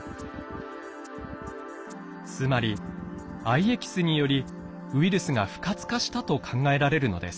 つまり藍エキスによりウイルスが不活化したと考えられるのです。